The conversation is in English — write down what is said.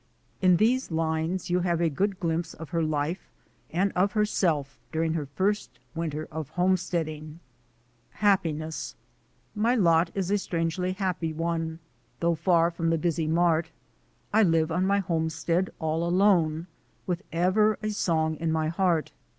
In these lines you have a good glimpse of her life and of herself during her first winter of homesteading: Happiness My lot is a strangely happy one, Though far from the busy mart; I live on my homestead all alone, With ever a song in my heart.